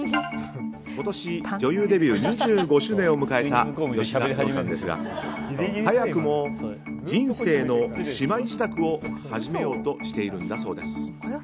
今年、女優デビュー２５周年を迎えた吉田羊さんですが早くも人生のしまい支度を始めようとしているんだそうです。